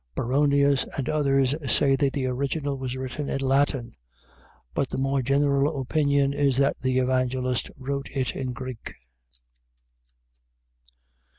Baronius and others say that the original was written in Latin: but the more general opinion is that the Evangelist wrote it in Greek.